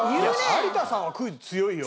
有田さんはクイズ強いよ。